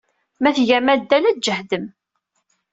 Ma tgam addal, ad tjehdem.